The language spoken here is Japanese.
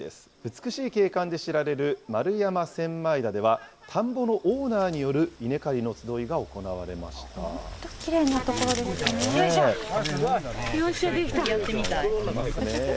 美しい景観で知られる丸山千枚田では、田んぼのオーナーによる稲本当きれいな所ですね。